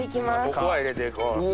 ここは入れていこう。